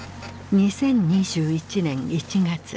２０２１年１月。